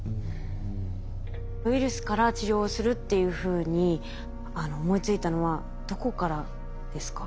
ウイルスから治療をするっていうふうに思いついたのはどこからですか？